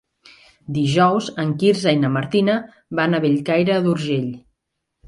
Dijous en Quirze i na Martina van a Bellcaire d'Urgell.